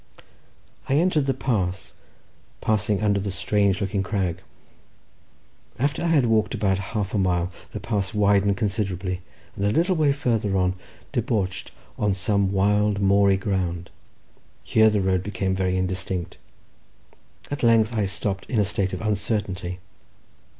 I entered the pass, passing under the strange looking crag. After I had walked about half a mile the pass widened considerably, and a little way farther on debouched on some wild, moory ground. Here the road became very indistinct. At length I stopped in a state of uncertainty.